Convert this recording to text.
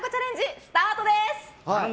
スタートです！